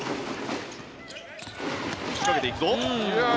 仕掛けていくぞ。